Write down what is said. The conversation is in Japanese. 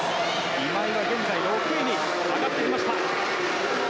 今井は現在６位に上がってきました。